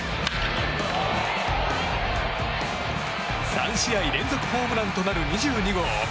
３試合連続ホームランとなる２２号。